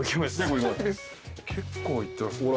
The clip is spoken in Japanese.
結構いってますね。